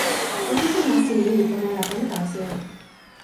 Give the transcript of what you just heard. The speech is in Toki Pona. toki pi nasin ni li pona ala pona tawa sina?